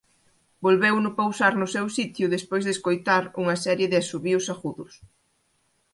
Volveuno pousar no seu sitio despois de escoitar unha serie de asubíos agudos.